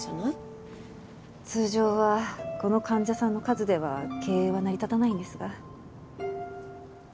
通常はこの患者さんの数では経営は成り立たないんですが。